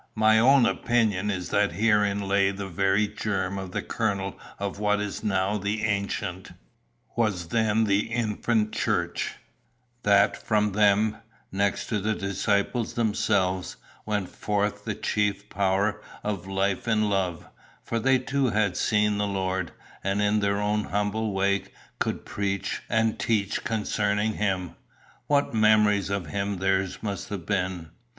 My own opinion is that herein lay the very germ of the kernel of what is now the ancient, was then the infant church; that from them, next to the disciples themselves, went forth the chief power of life in love, for they too had seen the Lord, and in their own humble way could preach and teach concerning him. What memories of him theirs must have been!